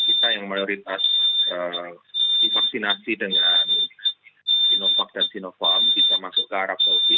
kita yang mayoritas divaksinasi dengan sinovac dan sinovac bisa masuk ke arab saudi